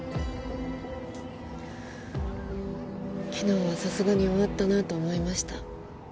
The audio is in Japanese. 昨日はさすがに終わったなと思いました